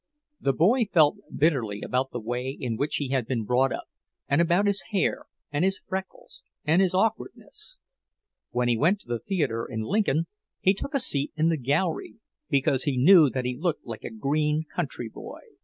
The boy felt bitterly about the way in which he had been brought up, and about his hair and his freckles and his awkwardness. When he went to the theatre in Lincoln, he took a seat in the gallery, because he knew that he looked like a green country boy.